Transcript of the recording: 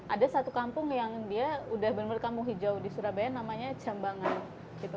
ada satu kampung yang dia udah bener bener kampung hijau di surabaya namanya jambangan gitu